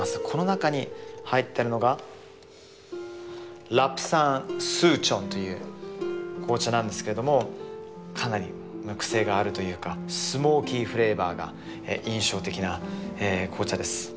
この中に入ってるのがラプサンスーチョンという紅茶なんですけどもかなりクセがあるというかスモーキーフレーバーが印象的な紅茶です。